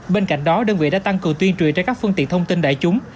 bên cạnh đó đơn vị đã tăng cường tuyên truyền trên các phương tiện thông tin đại chúng